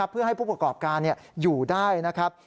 เพื่อให้ผู้ประกอบการอยู่ได้นะครับ